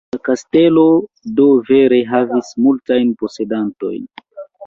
La kastelo do vere havis multajn posedantojn.